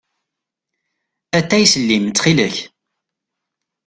Atay s llim, ttxil-k.